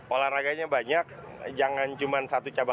olahraganya banyak jangan cuma satu cabang